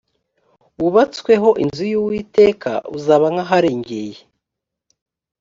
wubatsweho inzu y uwiteka uzaba nk aharengeye